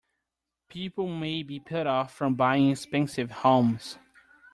People may be put off from buying expensive homes.